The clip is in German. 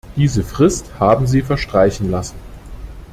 Diese Frist haben Sie verstreichen lassen.